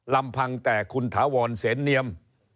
ลำพังแต่คุณถาวรเสนเนียม